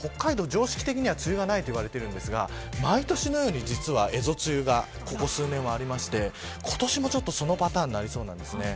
常識的には梅雨がないと言われているんですが毎年のように実は、蝦夷梅雨がここ数年はありまして今年もちょっとそのパターンになりそうなんですね。